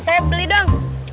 saya beli dong